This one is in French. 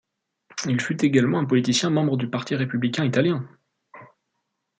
Il fut également un politicien membre du Parti républicain italien.